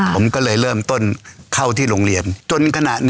ผมก็เลยเริ่มต้นเข้าที่โรงเรียน